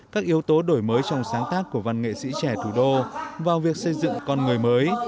các yếu tố đổi mới trong sáng tác của văn nghệ sĩ trẻ thủ đô vào việc xây dựng con người mới